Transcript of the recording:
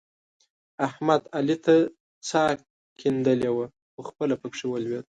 احمد؛ علي ته څا کنلې وه؛ خو خپله په کې ولوېد.